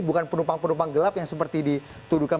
bukan penumpang penumpang gelap yang seperti dituduhkan